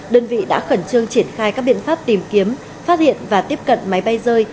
đơn vị đã khẩn trương triển khai các biện pháp tìm kiếm phát hiện và tiếp cận máy bay rơi